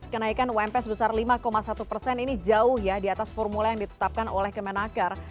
kenaikan ump sebesar lima satu persen ini jauh ya di atas formula yang ditetapkan oleh kemenaker